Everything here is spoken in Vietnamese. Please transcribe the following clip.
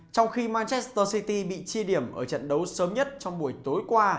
trong khi manchester city bị chi điểm ở trận đấu sớm nhất trong buổi tối qua